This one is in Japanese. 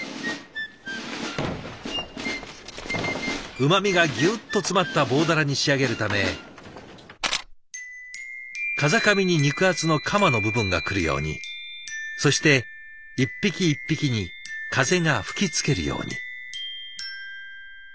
うまみがギュッと詰まった棒鱈に仕上げるため風上に肉厚のカマの部分が来るようにそして一匹一匹に風が吹きつけるように。